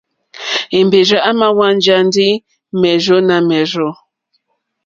Èmbèrzà èmà hwánjá ndí mèrzó nà mèrzô.